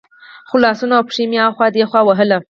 خو لاسونه او پښې مې اخوا دېخوا وهل.